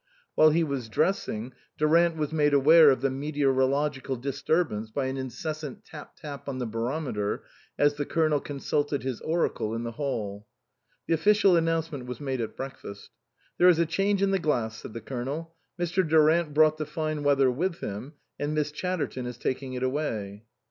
While he was dressing, Durant was made aware of the meteorological disturbance by an incessant tap tap on the barometer as the Colonel consulted his oracle in the hall. The official announcement was made at breakfast. "There is a change in the glass," said the Colonel. " Mr. Durant brought the fine weather with him and Miss Chatterton is taking it away."